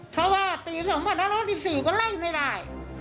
เพราะว่าปี๒๕๑๔ก็ไล่ไม่ได้